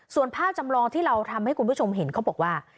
ส่วนภาพจำลองที่เราทำให้คุณผู้ชมเห็นเขาบอกว่า